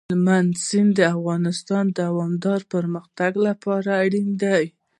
هلمند سیند د افغانستان د دوامداره پرمختګ لپاره اړین دي.